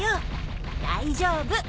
大丈夫。